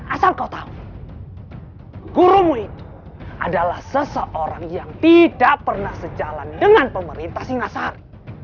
asal kau tahu gurumu itu adalah seseorang yang tidak pernah sejalan dengan pemerintah singasari